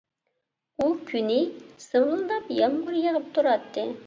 ئۇ كۈنى سىمىلداپ يامغۇر يېغىپ تۇراتتى.